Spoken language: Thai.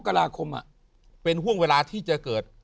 กราคมเป็นห่วงเวลาที่จะเกิด